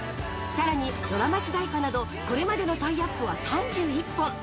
ドラマ主題歌などこれまでのタイアップは３１本。